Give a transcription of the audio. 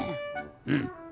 うん。